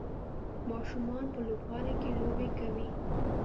ماشومان په لوبغالي کې لوبې کوي.